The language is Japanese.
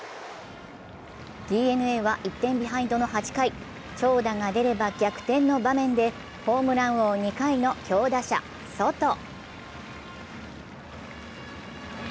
ＤｅＮＡは、１点ビハインドの８回、長打が出れば逆転の場面でホームラン王２回の強打者・ソト。